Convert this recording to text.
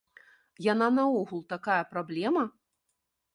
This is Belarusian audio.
Яна наогул такая праблема.